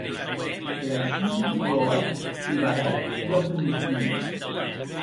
Era accion d’Ostrova li valec ua promocion.